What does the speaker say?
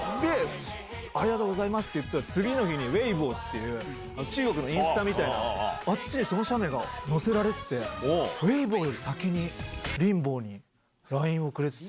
ありがとうございますって言ったら、次の日にウェイボーっていう、中国のインスタみたいな、あっちでその写メが載せられてて、ウェイボーより先にリンボーにＬＩＮＥをくれてて。